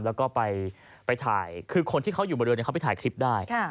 แล้วก็ไปถ่ายคือคนที่เขาอยู่บนเรือเขาไปถ่ายคลิปได้